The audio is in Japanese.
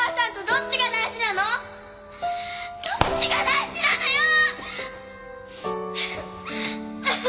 どっちが大事なのよ！